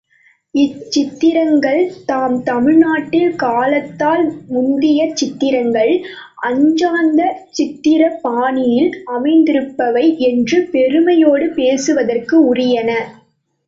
இச்சித்திரங்கள் தாம் தமிழ்நாட்டில் காலத்தால் முந்திய சித்திரங்கள், அஜந்தா சித்திரப் பாணியில் அமைந்திருப்பவை என்று பெருமையோடு பேசுவதற்கு உரியன.